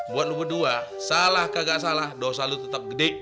buat lo berdua salah kagak salah dosa lu tetap gede